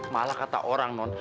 malah kata orang non